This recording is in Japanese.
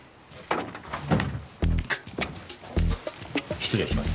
失礼します。